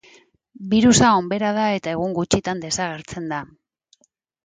Birusa onbera da eta egun gutxitan desagertzen da.